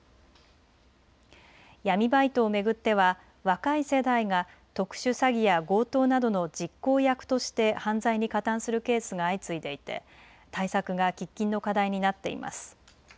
闇バイトを巡っては若い世代が特殊詐欺や強盗などの実行役として犯罪に加担するケースが相次いでいて対策が喫緊の課題になっています。